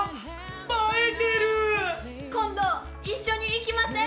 今度一緒に行きません？